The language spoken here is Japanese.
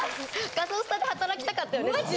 ガソスタで働きたかったよねずっとね。